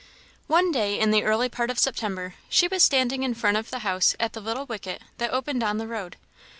One day in the early part of September, she was standing in front of the house at the little wicket that opened on the road.